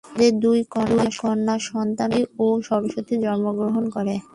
তাদের দুই কন্যা সন্তান লক্ষ্মী ও সরস্বতী জন্মগ্রহণ করে।